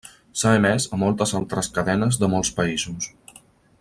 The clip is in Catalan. S'ha emès a moltes altres cadenes de molts països.